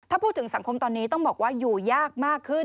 ถ้าพูดถึงสังคมตอนนี้ต้องบอกว่าอยู่ยากมากขึ้น